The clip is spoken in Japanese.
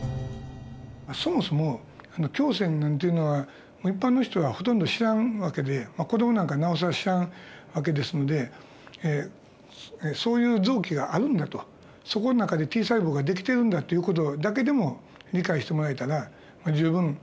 そもそも胸腺なんていうのは一般の人はほとんど知らん訳でまあ子どもなんかなおさら知らん訳ですのでそういう臓器があるんだとそこの中でＴ細胞ができているんだという事だけでも理解してもらえたら十分だと。